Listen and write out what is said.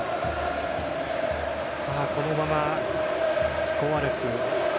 このままスコアレス